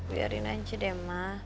biarin aja deh ma